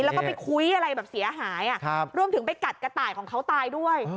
แล้วก็ไปคุยอะไรแบบเสียหายรวมถึงไปกัดกระต่ายของเขาตายด้วย